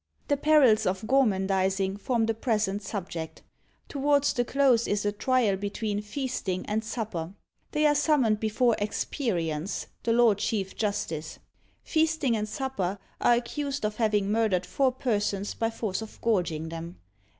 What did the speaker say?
The perils of gormandising form the present subject. Towards the close is a trial between Feasting and Supper. They are summoned before Experience, the Lord Chief Justice! Feasting and Supper are accused of having murdered four persons by force of gorging them.